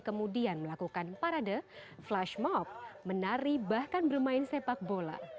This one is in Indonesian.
kemudian melakukan parade flash mob menari bahkan bermain sepak bola